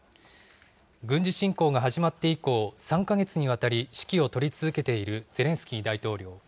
軍事侵攻が始まって以降、３か月にわたり指揮を執り続けているゼレンスキー大統領。